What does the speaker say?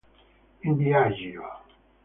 In viaggio